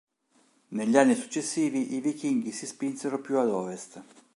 Negli anni successivi i vichinghi si spinsero più ad ovest.